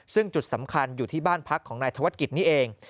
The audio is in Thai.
ซึ่งจุดสำคัญอยู่ที่บ้านพักของนายธวัฒกิจนี่เอง